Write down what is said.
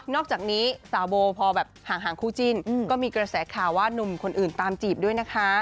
อกจากนี้สาวโบพอแบบห่างคู่จิ้นก็มีกระแสข่าวว่านุ่มคนอื่นตามจีบด้วยนะคะ